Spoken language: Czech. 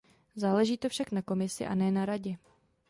Záleží to však na Komisi a ne na Radě.